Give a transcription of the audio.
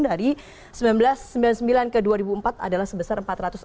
dari seribu sembilan ratus sembilan puluh sembilan ke dua ribu empat adalah sebesar empat ratus enam puluh